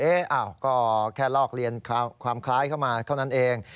ก็แค่ลอกเรียนความคล้ายเข้ามาเท่านั้นเอง